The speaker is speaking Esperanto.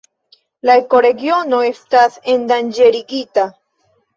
La ekoregiono estas endanĝerigita.